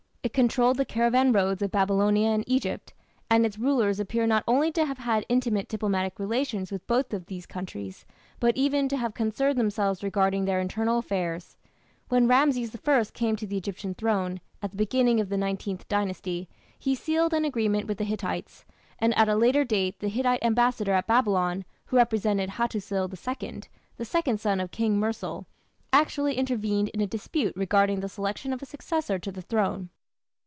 It controlled the caravan roads of Babylonia and Egypt, and its rulers appear not only to have had intimate diplomatic relations with both these countries, but even to have concerned themselves regarding their internal affairs. When Rameses I came to the Egyptian throne, at the beginning of the Nineteenth Dynasty, he sealed an agreement with the Hittites, and at a later date the Hittite ambassador at Babylon, who represented Hattusil II, the second son of King Mursil, actually intervened in a dispute regarding the selection of a successor to the throne.